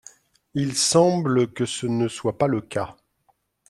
Il semble que ce ne soit pas le cas.